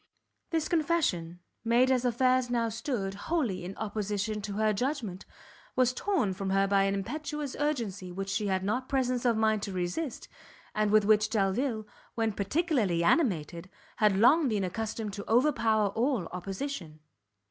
This confession, made, as affairs now stood, wholly in opposition to her judgment, was torn from her by an impetuous urgency which she had not presence of mind to resist, and with which Delvile, when particularly animated, had long been accustomed to overpower all opposition.